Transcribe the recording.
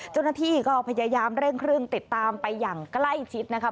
เจ้าหน้าที่ก็พยายามเร่งเครื่องติดตามไปอย่างใกล้ชิดนะคะ